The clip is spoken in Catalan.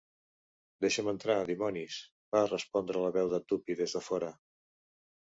"Deixa'm entrar, dimonis!" va respondre la veu de Tuppy des de fora.